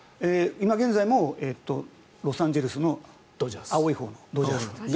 今現在もロサンゼルスの青いほうのドジャース。